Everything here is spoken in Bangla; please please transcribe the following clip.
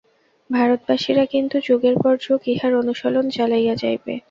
ভারতবাসীরা কিন্তু যুগের পর যুগ ইহার অনুশীলন চালাইয়া যাইবে।